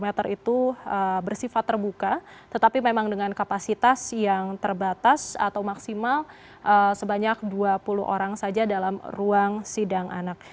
lima meter itu bersifat terbuka tetapi memang dengan kapasitas yang terbatas atau maksimal sebanyak dua puluh orang saja dalam ruang sidang anak